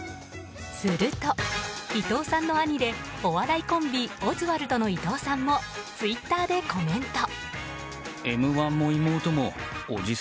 すると、伊藤さんの兄でお笑いコンビオズワルドの伊藤さんもツイッターでコメント。